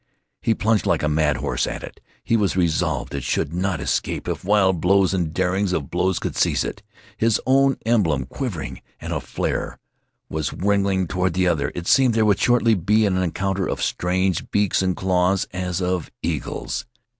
He plunged like a mad horse at it. He was resolved it should not escape if wild blows and darings of blows could seize it. His own emblem, quivering and aflare, was winging toward the other. It seemed there would shortly be an encounter of strange beaks and claws, as of eagles.